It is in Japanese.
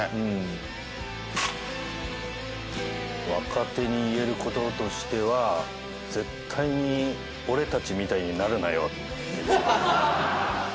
若手に言える言葉としては絶対に俺たちみたいになるなよ。